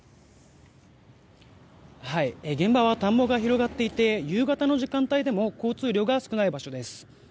現場は田んぼが広がっていて夕方の時間帯でも交通量が少ない場所です。